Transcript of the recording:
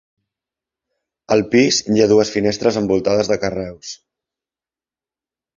Al pis hi ha dues finestres envoltades de carreus.